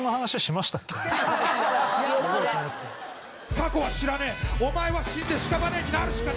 「過去は知らねえお前は死んでしかばねになるしかねえ」